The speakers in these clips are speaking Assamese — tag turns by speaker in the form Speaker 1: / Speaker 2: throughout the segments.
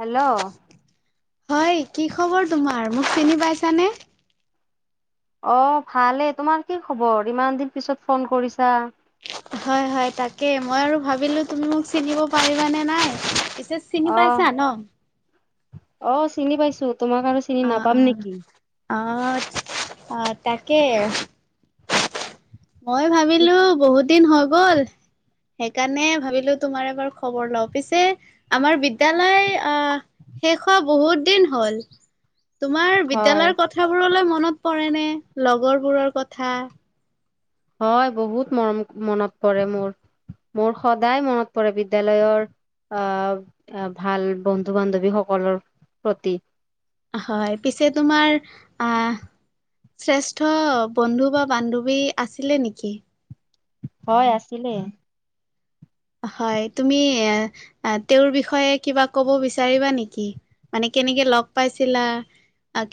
Speaker 1: হেল্ল'!
Speaker 2: হয় কি খবৰ তোমাৰ মোক চিনি পাইছানে
Speaker 1: অ ভালেই তোমাৰ কি খবৰ ইমান দিন পিছত ফোন কৰিছা
Speaker 2: হয় হয় তাকে মই আৰু ভাবিলো তুমি মোক চিনিব পাৰিবানে নাই পিছে চিনি
Speaker 1: অ
Speaker 2: পাইছা ন?
Speaker 1: আহ চিনি পাইছো তোমাক আৰু চিনি
Speaker 2: অ'
Speaker 1: নাপাম
Speaker 2: অ'
Speaker 1: নেকি
Speaker 2: অ অ তাকে মই ভাবিলো বহুত দিন হৈ গ'ল সেইকাৰণে ভাবিলো তোমাৰ এবাৰ খবৰ লওঁ পিছে আমাৰ বিদ্যালয় আহ শেষৰ হোৱা বহুত দিন হ'ল। তোমাৰ
Speaker 1: হয়
Speaker 2: বিদ্যায়লয়ৰ কথাবোৰলৈ মনত পৰে নে, লগৰবোৰৰ কথা।
Speaker 1: হয়, বহুত মৰম মনত পৰে মোৰ। মোৰ সদায় মনত পৰে বিদ্যালয়ৰ- আহ ভাল বন্ধু বান্ধৱীসকলৰ প্ৰতি-
Speaker 2: হয়, পিছে তোমাৰ আ- শ্ৰেষ্ঠ বন্ধু বা বান্ধৱী আছিলে নেকি?
Speaker 1: হয় আছিলে।
Speaker 2: হয়, তুমি তেওঁৰ বিষয়ে কিবা কব বিচাৰিবা নেকি? মানে কেনেকৈ লগ পাইছিলা,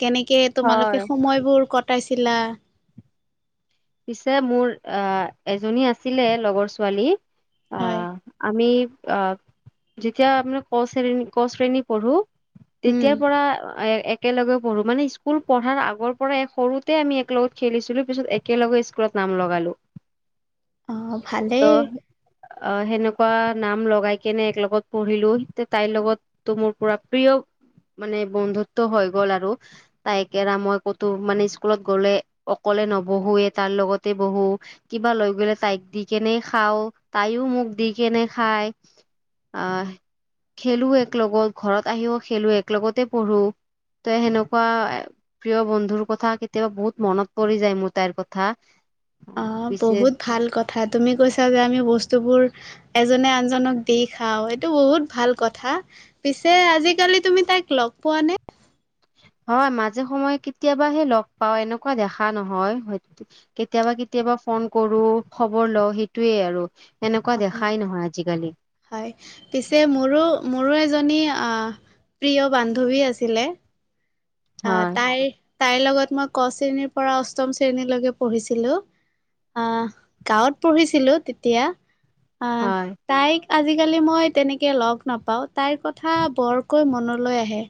Speaker 2: কেনেকৈ
Speaker 1: হয়
Speaker 2: তোমালোকে সময়বোৰ কটাইছিলা?
Speaker 1: পিছে মোৰ আ এজনী আছিলে লগৰ ছোৱালী।
Speaker 2: হয়।
Speaker 1: আহ আমি অঁ যেতিয়া আপোনাৰ ক শ্ৰেণী, ক শ্ৰেণী পঢ়োঁ-
Speaker 2: উম।
Speaker 1: তেতিয়াৰ পৰা এ এক - একেলগে পঢ়োঁ মানে স্কুল পঢ়াৰ আগৰ পৰাই সৰুতে আমি একেলগত খেলিছিলোঁ পিছত একে- একেলগে স্কুলত নাম লগালো।
Speaker 2: অ', ভালেই।
Speaker 1: ত- অঁ সেনেকুৱা নাম লগাই কেনে এক লগত পঢ়িঁলো। তাইৰ লগত- তটো মোৰ পুৰা প্ৰিয় মানে বন্ধুত্ব হৈ গ'ল আৰু। তাই কেৰা মই ক'তো মানে স্কুলত গলে অকলে নবহোৱে তাৰ লগতে বহো। কিবা লৈ গলে তাইক দি কেনে খাওঁ, তাইও মোক দি কেনে খায়। আহ খেলো এক লগত, ঘৰত আহিও খেলো, এক লগতে পঢ়োঁ। ত সেনেকুৱা প্ৰিয় বন্ধুৰ কথা কেতিয়াবা বহুত মনত পৰি যায় মোৰ। তাইৰ কথা। আহ
Speaker 2: অঁ
Speaker 1: পিছে
Speaker 2: বহুত ভাল কথা, তুমি কৈছা যে আমি বস্তুবোৰ- এজনে আনজনক দি খাওঁ এইটো বহুত ভাল কথা। পিছে আজিকালি তুমি তাইক লগ পোৱা নে?
Speaker 1: হয়, মাজে সময়ে কেতিয়াবাহে লগ পাওঁ, এনেকুৱা দেখা নহয় হয়তো। কেতিয়াবা কেতিয়াবা ফোন কৰো, খবৰ লওঁ সেইটোয়ে আৰু। এনেকুৱা দেখাই নহয় আজিকালি।
Speaker 2: হয়, পিছে মোৰো মোৰো এজনী প্ৰিয় বান্ধৱী আছিলে। আহ
Speaker 1: হয়
Speaker 2: তাইৰ তাইৰ লগত মই ক শ্ৰেণীৰ পৰা অষ্টম শ্ৰেণীলৈকে পঢ়িছিলোঁ। আহ গাঁৱত পঢ়িছিলোঁ তেতিয়া আহ-
Speaker 1: হয়
Speaker 2: তাইক আজিকালি মই তেনেকৈ লগ নাপাওঁ, তাইৰ কথা বৰকৈ মনলৈ আহে।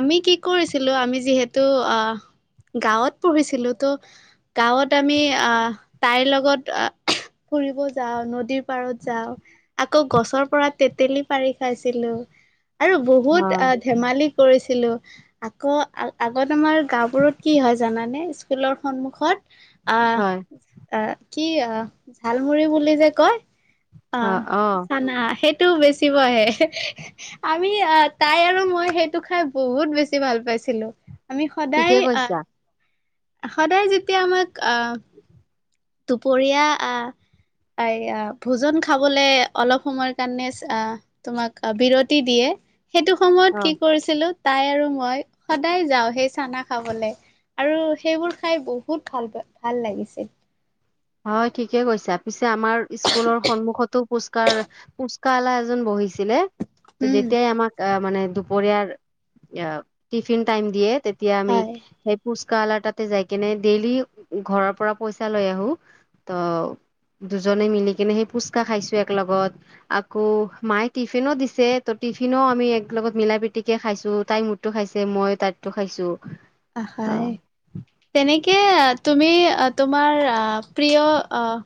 Speaker 2: আমি কি কৰিছিলো আমি যিহেতু আহ গাঁৱত পঢ়িছিলোঁ তো- গাঁৱত আমি আ তাইৰ লগত- ফুৰিব যাওঁ, নদীৰ পাৰত যাওঁ- আকৌ গছৰ পৰা তেতেলী পাৰি খাইছিলোঁ। আৰু বহুত
Speaker 1: হয়
Speaker 2: ধেমালি কৰিছিলোঁ। আকৌ আগত আমাৰ গাওঁবোৰত কি হয় জানানে? স্কুলৰ সন্মুখত-
Speaker 1: হয়
Speaker 2: আহ আহ কি আহ ঝালমুৰি বুলি যে কয়-
Speaker 1: অ
Speaker 2: অঁ
Speaker 1: অ
Speaker 2: চানা, সেই- বেছি পঢ়ে। আমি, তাই আৰু মই সেইটো খাই বহুত বেছি- ভাল পাইছিলোঁ। আমি
Speaker 1: ঠিকে
Speaker 2: সদায় আহ
Speaker 1: কৈছা
Speaker 2: সদায় যেতিয়া আমাক আহ- দুপৰীয়া আহ- তাই আ ভোজন খাবলে অলপ সময়ৰ কাৰণে- তোমাক বিৰতি দিয়ে, সেইটো
Speaker 1: অ
Speaker 2: সময়ত কি কৰিছিলোঁ- তাই আৰু মই সদায় যাওঁ সেই চানা খাবলে। আৰু সেইবোৰ খাই বহুত ভাল পাই, ভাল লাগিছে।
Speaker 1: হয় ঠিকে কৈছা, পিছে আমাৰ স্কুলৰ সন্মুখতো পুচকাৰ পুচ কালা এজন বহিছিলে, ত
Speaker 2: উম
Speaker 1: যেতিয়াই আমাক আ মানে দুপৰীয়াৰ ইয়া টিফিন টাইম দিয়ে তেতিয়া আমি
Speaker 2: হয়
Speaker 1: সে ফুচকাৱালাৰ তাতে যাই কেনে ডেইলি ঘৰৰ পৰা পইচা লৈ আহো ত দুজনে মিলি কিনে সেই ফুচকা খাইছো এক লগত আকৌ মায়ে টিফিনো দিছে, ত' টিফিনো আমি এক লগত মিলা প্ৰীতিকে খাইছো তাই টো খাইছে মই তাইৰটো খাইছো।
Speaker 2: আহ
Speaker 1: অ
Speaker 2: খায়। তেনেকে আ তুমি আ তোমাৰ আহ প্ৰিয় আহ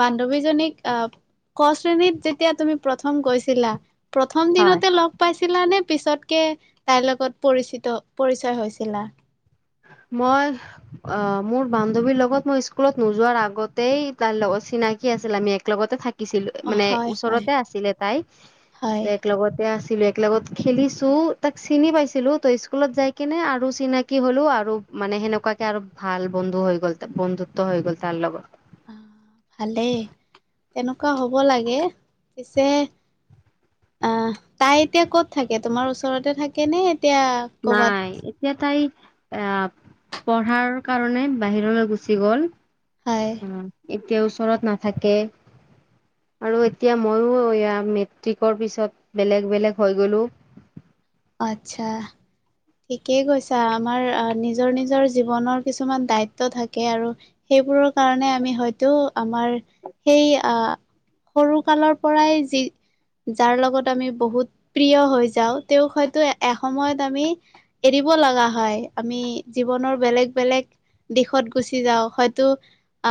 Speaker 2: বান্ধৱীজনীক আহ ক শ্ৰেণীত যেতিয়া তুমি প্ৰথম গৈছিলা প্ৰথম
Speaker 1: হয়
Speaker 2: দিনতে লগ পাইছিলা নে পিছতকে তাইৰ লগত পৰিচিত পৰিচয় হৈছিলা?
Speaker 1: মই অ, মোৰ বান্ধৱীৰ লগত মই স্কুলত নোযোৱাৰ আগতেই তাৰ লগত চিনাকি আছিল আমি এক লগতে থাক শিকিছিলো
Speaker 2: অ
Speaker 1: মানে
Speaker 2: হয় হয়
Speaker 1: ওচৰতে আছিলে তাই
Speaker 2: হয়
Speaker 1: তে এক লগতে আছিলে লগত খেলিছো তাক চিনি পাইছিলো, ত স্কুলত যাই কিনে আৰু চিনাকি হল লো আৰু মানে সেনেকুৱাকে আৰু ভাল বন্ধু হৈ গ'ল তা বন্ধুত্ব হৈ গ'ল তাৰ লগত।
Speaker 2: আহ ভালেই তেনেকুৱা হ'ব লাগে পিছে আহ তাই এতিয়া ক'ত থাকে তোমাৰ ওচৰতে থাকে নে এতিয়া কৰ'বাত
Speaker 1: নাই। এতিয়া তাই আহ পঢ়াৰ কাৰণে বাহিৰলৈ গুচি গ'ল।
Speaker 2: হয়।
Speaker 1: অ এতিয়া ওচৰত নাথাকে। আৰু এতিয়া মইও এয়া মেট্ৰিকৰ পিছত বেলেগ - বেলেগ হৈ গ'লোঁ।
Speaker 2: আচ্ছা। ঠিকেই কৈছা, আমাৰ আ নিজৰ - নিজৰ জীৱনৰ কিছুমান দায়িত্ব থাকে আৰু সেইবোৰৰ কাৰণে আমি হয়তো আমাৰ সেই আহ সৰু কালৰ পৰাই যি যাৰ লগত আমি বহুত প্ৰিয় হৈ যাওঁ তেওঁক হয়তো এসময়ত আমি এৰিব লাগা হয়, আমি জীৱনৰ বেলেগ- বেলেগ দিশত গুচি যাওঁ হয়তো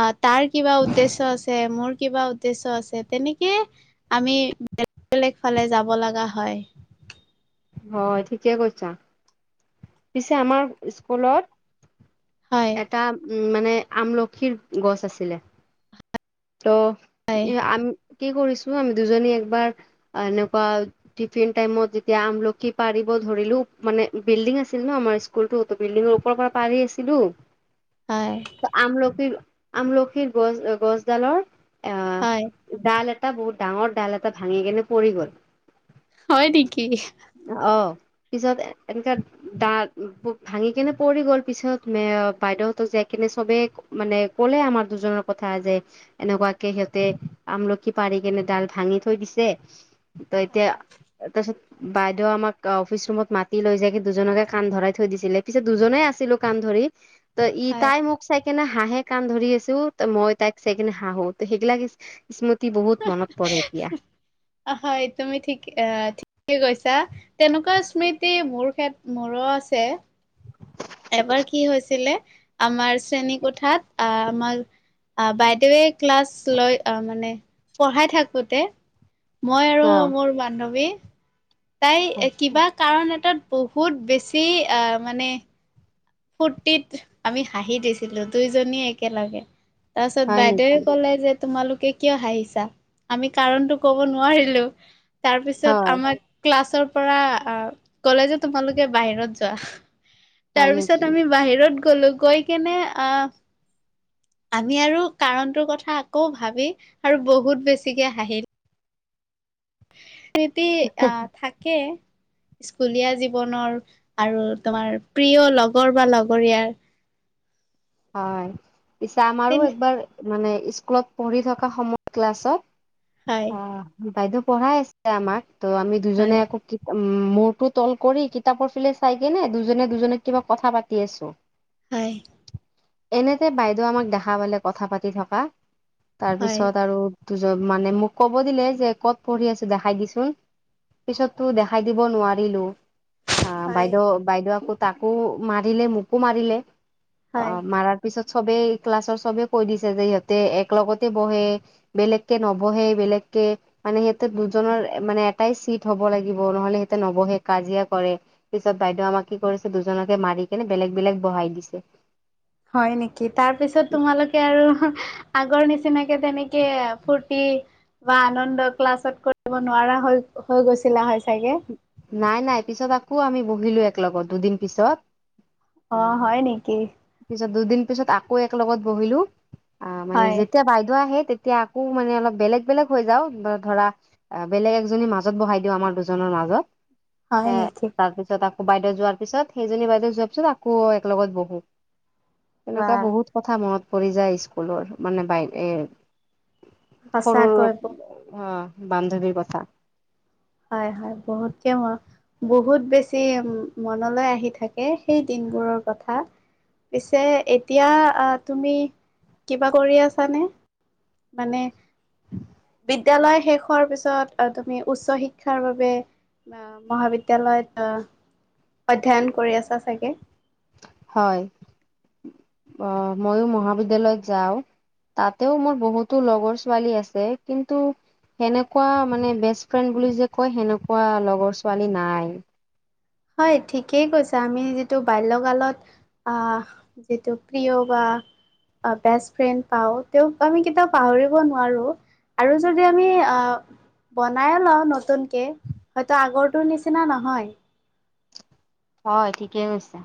Speaker 2: অ তাৰ কিবা উদ্দেশ্য আছে, মোৰ কিবা উদ্দেশ্য আছে তেনেকে আমি বেলেগ - বেলেগ ফালে যাব লাগা হয়।
Speaker 1: হয় ঠিকে কৈছা, পিছে আমাৰ স্কুলত
Speaker 2: হয়
Speaker 1: এটা উম মানে আমলখিৰ গছ আছিলে ত
Speaker 2: হয়
Speaker 1: এ আম কি কৰিছো, আমি দুজনী একবাৰ আ এনেকুৱা টিফিন টাইমত যেতিয়া আমল খি পাৰিব ধৰিলো মানে বিল্ডিং আছিল ন আমাৰ স্কুলটো ত বিল্ডিঙৰ ওপৰপৰা পাৰি আছিলো
Speaker 2: হয়।
Speaker 1: ত আমলখিৰ আমলখিৰ গছ গছডালৰ
Speaker 2: হয়
Speaker 1: আহ ডাল এ এটা বহুত ডাঙৰ ডাল এটা ভাঙি কেনে পৰি গ'ল।
Speaker 2: হয় নিকি?
Speaker 1: অহ পিছত এনেকােৱা ডাল ভাঙি কেনে পৰি গ'ল পিছত এ বাইদেউহতঁক যায় কেনে চবেই মানে ক'লে আমাৰ দুজনৰ কথা যে এনেকুৱাকে সিহঁতে আমলখি পাৰি কেনে ডাল ভাঙি থৈ দিছে। ত' এতিয়া
Speaker 2: হয়,
Speaker 1: তাৰপিছত বাই দই আমাক অফিচ ৰুমত মাতি লৈ যায় কি দুজনকে কাণ ধৰাই থৈ দিছিলে। পিছত দুজনেই আছিলো কাণ ধৰি। ত' ই
Speaker 2: হয়।
Speaker 1: তাই মোক চাইকনে হাঁহে কাণ ধৰি আছো ত' মই তাইক চাইকেনে হাঁহো। ত' সেইগিলাক স্মৃতি বহুত মনত পৰে এতিয়া।
Speaker 2: হয়, তুমি ঠিক এ ঠিক কে কৈছা। তেনেকুৱা স্মৃতি মোৰ কেত মোৰো আছে। এবাৰ কি হৈছিলে আমাৰ শ্ৰেণী কোঠাত আহ আমাৰ আহ বাইদেৱে ক্লাছ লৈ আহ মানে পঢ়াই থাকোতে। মই আৰু
Speaker 1: অ',
Speaker 2: মোৰ বান্ধৱী। তাই কিবা কাৰণ এটাত বহুত বেছি আহ মানে ফূৰ্তিত আমি হাঁহি দিছিলো দুইজনীয়ে একেলগে। তাৰপাছত
Speaker 1: হয় নেকি
Speaker 2: বাইদেউয়ে ক'লে যে তোমালোকে কিয় হাঁহিছা আমি কাৰণতটো ক'ব নোৱাৰিলো। তাৰপিছত
Speaker 1: হয়
Speaker 2: আমাক ক্লাছৰ পৰা অ' ক'লে যে তোমালোকে বাহিৰত যোৱা। তাৰ
Speaker 1: হয়
Speaker 2: পিছত
Speaker 1: নেকি?
Speaker 2: আমি বাহিৰত গ'লো গৈ কেনে আহ আমি আৰু কাৰণটোৰ কথা আকৌ ভাবি আৰু বহুত বেছিকে হাঁহিলো। ক্ষৃতি আহ থাকে। স্কুলীয়া জীৱনৰ আৰু তোমাৰ প্ৰিয় লগৰ বা লগৰীয়াৰ।
Speaker 1: হয়, পিছে
Speaker 2: তেন
Speaker 1: আমাৰো একবাৰ মানে স্কুলত পঢ়ি থকা সময়ত
Speaker 2: হয়
Speaker 1: ক্লাছত অ'। বাইদেউ পঢ়াই আছে আমাক ত' আমি দুজনে
Speaker 2: হয়
Speaker 1: আকৌ উম, মূৰটো তল কৰি কিতাপৰ ফালে চাই কিনে দুজনে দুজনিক কিবা কথা পাতি আছো।
Speaker 2: হয়।
Speaker 1: এনেতে বাইদেউ আমাক দেখা পালে কথা পাতি থকা তাৰ
Speaker 2: হয়।
Speaker 1: পিছত আৰু দুজন মানে মোক ক'ব দিলে যে ক'ত পঢ়ি আছো দেখাই দিচোন। পিছতো দেখাই দিব নোৱাৰিলো। অ',
Speaker 2: হয়
Speaker 1: বাইদেউ বাইদেউ তাকো মাৰিলে মোকো মাৰিলে।
Speaker 2: হয়
Speaker 1: অ', মাৰাৰ পিছত চবেই ক্লাছৰ চবেই কৈ দিছে যে ইহঁতে এক লগতে বহে বেলেগকে নবহে বেলেগকে মানে সিহঁতে দুজনৰ মানে এটাই চিট হ'ব লাগিব নহ'লে সিহঁতে নবঢ়ে কাজিয়া কৰে। পিছত বাইদেউ আমাক কি কৰিছে দুজনকে মাৰি কিনে বেলেগ বেলেগ বঢ়াই দিছে।
Speaker 2: হয়, নেকি? তাৰ পিছত তোমালোকে আৰু আগৰ নিচিনাকে তেনেকে কে ফূৰ্তি বা আনন্দ ক্লাছ কৰিব নোৱাৰা হৈ গৈছিলা হয় চাগে?
Speaker 1: নাই নাই পিছত আকৌ আমি বহিলো এক লগত দুদিন পিছত।
Speaker 2: অ',
Speaker 1: আহ
Speaker 2: হয় নেকি?
Speaker 1: পিছত দুদিন পিছত আকৌ এক লগত বহিলো আহ মানে
Speaker 2: হয়
Speaker 1: যেতিয়া বাইদেউ আহে তেত এতিয়া আকৌ মানে অলপ বেলেগ বেলেগ হৈ যাওঁ বা ধৰা বেলেগ এজনী মাজত বহাই দিওঁ আমাৰ দুজনৰ মাজত
Speaker 2: হয়
Speaker 1: এ
Speaker 2: নেকি
Speaker 1: তাৰপিছত আকৌ বাইদেউ যোৱাৰ পিছত সেইজনী বাইদেউ যোৱাৰ পিছত আকৌ এক লগত বঢ়ো।
Speaker 2: বা
Speaker 1: তেনেকুৱা বহুত কথা মনত পৰি যায় স্কুলৰ মানে বাই এ সৰুৰ
Speaker 2: সঁচাকৈ
Speaker 1: অঁ বান্ধৱীৰ কথা।
Speaker 2: হয় হয় বহুত কে মোৰ বহুত বেছি মনলৈ আহি থাকে সেই দিনবোৰৰ কথা। পিছে এতিয়া তুমি কিবা কৰি আছানে? মানে বিদ্যালয় শেষৰ হোৱাৰ পিছত তুমি উচ্চ শি ক্ষাৰ বাবে অঁ মহাবিদ্যালয়ত অঁ অধ্যয়ন কৰি আছা চাগে।
Speaker 1: হয় মইয়ো মহাবিদ্যালয়ত যাওঁ। তাতেও মোৰ বহুতো লগৰ ছোৱালী আছে, কিন্তু সেনেকুৱা মানে বেষ্ট ফ্ৰেণ্ড বুলি যে কয়, সেনেকুৱা লগৰ ছোৱালী নাই।
Speaker 2: হয় ঠিকেই কৈছা, আমি যিটো বাল্যকালত আহঁ যিটো প্ৰিয় বা বেষ্ট ফ্ৰেণ্ড পাওঁ তেওঁক আমি কেতিয়াও পাহৰিব নোৱাৰো। আৰু যদি আমি আঁহ বনাইে লওঁ নতুনকে, হয়তো আগৰটো নিচিনা নহয়।
Speaker 1: হয় ঠিকেই কৈছা।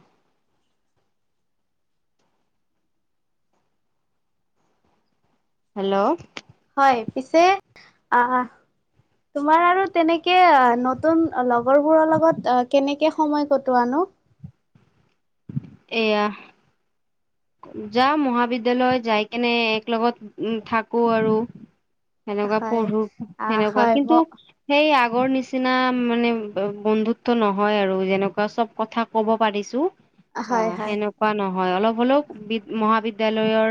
Speaker 1: হেল্লো
Speaker 2: হয়, পিছে অহঁ। তোমাৰ আৰু তেনেকে নতুন লগৰবোৰৰ লগত এ কেনেকে সময় কটোৱা ন।
Speaker 1: এয়া যাম মহাবিদ্যয়ালয় যাই কেনে এক লগত থাকো আৰু। সেনেকুৱা
Speaker 2: হয়
Speaker 1: পঢ়ো,
Speaker 2: আহ
Speaker 1: সেনেকুৱা
Speaker 2: হয় ম
Speaker 1: কিন্তু সেই আগৰ নিচিনা মানে বন্ধুত্ব নহয় আৰু যেনেকুৱা চব কথা। কব পাৰিছো
Speaker 2: হয়
Speaker 1: অঁ
Speaker 2: হয়
Speaker 1: সেনেকুৱা নহয় অলপ অলপ বি মহাবিদয়ালয়ৰ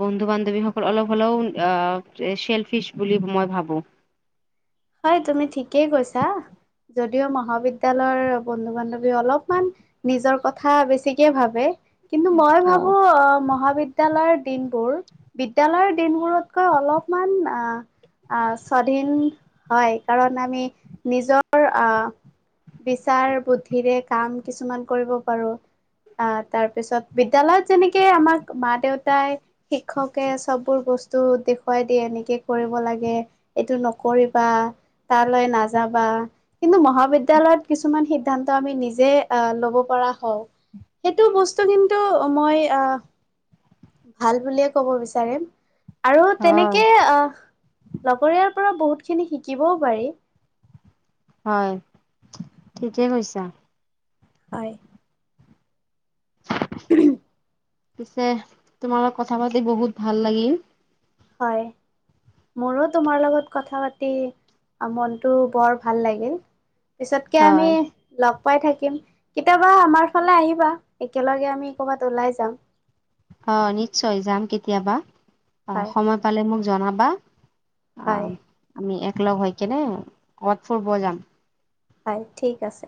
Speaker 1: বন্ধু বান্ধৱীসকল অলপ হ'লেও অঁহ চেলফিচ বুলি মই ভাবো
Speaker 2: হয় তুমি ঠিকেই কৈছা, যদিও মহাবিদ্যয়ালয়ৰ বন্ধু বান্ধৱী অলপমান নিজৰ কথা বেছিকে ভাবে, কিন্তু মই
Speaker 1: হয়
Speaker 2: ভাবো অঁ মহাবিদ্যালয় বিদ্যালয় দিনবোৰ বিদ্যয়ালয়ৰ দিনবোৰতকৈ অলপমান আহঁ আঁহ স্বাধীন হয় কাৰণ আমি নিজৰ আঁহ বিচাৰ বুদ্ধিৰে কাম কিছুমান কৰিব পাৰো। আঁহ তাৰপিছত বিদ্যালয়ত যেনেকে আমাক মা দেউতাই। শিক্ষকে চববোৰ বস্তু দেখুৱাই দিয় এনেকে কৰিব লাগে এইটো নকৰি বা তালৈ নাযাবা। কিন্তু মহাবিদ্যালয়ত কিছুমান সিদ্ধান্ত আমি নিজে আঁহ লব পৰা হওঁ। সেইটো বস্তু কিন্তু মই অঁহ ভাল বুলিয়ে ক'ব বিচাৰিম। আৰু
Speaker 1: হয়
Speaker 2: তেনেকে আঁহ লগৰীয়াৰ পৰা বহুত খিনি শিকিবও পাৰি।
Speaker 1: হয় ঠিকে কৈছা।
Speaker 2: হয়।
Speaker 1: পিছে তোমাৰ লগত কথা পাতি বহুত ভাল লাগিল।
Speaker 2: হয়। মোৰো তোমাৰ লগত কথা পাতি মনটো বৰ ভাল লাগিল। পিছতকে আমি
Speaker 1: হয়
Speaker 2: লগ পাই থাকিম, কেতিয়াবা আমাৰ ফালে আহিবা একেলগে আমি কৰ'বাত ওলাই যাম।
Speaker 1: অঁ', নিশ্চয় যাম কেতিয়াবা। অহ',
Speaker 2: হয়
Speaker 1: সময় পালে মোক জনাবা।
Speaker 2: হয়
Speaker 1: আহ', আমি একলগ হৈ কিনে কৰ'বাত ফুৰিব যাম।
Speaker 2: হয়, ঠিক আছে।